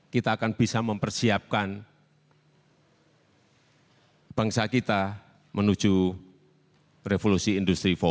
kita akan bisa mempersiapkan bangsa kita menuju revolusi industri empat